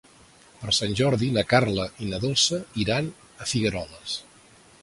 Per Sant Jordi na Carla i na Dolça iran a Figueroles.